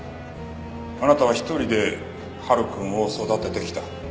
あなたは一人で晴くんを育ててきた。